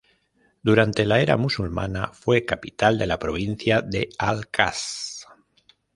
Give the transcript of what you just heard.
Durante la era musulmana fue capital de la provincia de "Al-Kassr".